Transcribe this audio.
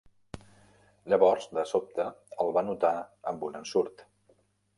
Llavors, de sobte, el va notar amb un ensurt.